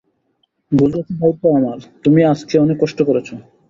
গোছগাছের দায়িত্ব আমার, তুমি আজকে অনেক কষ্ট করেছ।